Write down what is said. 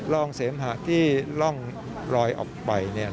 รองเสมหะที่ร่องลอยออกไป